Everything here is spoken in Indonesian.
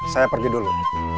saya pergi dulu